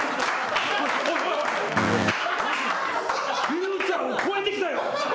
竜ちゃんを超えてきたよ。